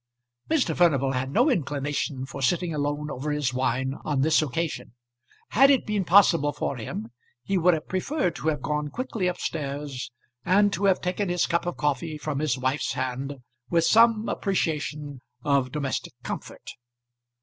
Mr. Furnival had no inclination for sitting alone over his wine on this occasion. Had it been possible for him he would have preferred to have gone quickly up stairs, and to have taken his cup of coffee from his wife's hand with some appreciation of domestic comfort.